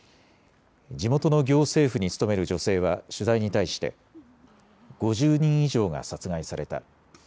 地元の行政府に勤める女性は取材に対して５０人以上が殺害された。